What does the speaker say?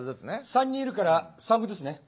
３人いるから３個ずつね。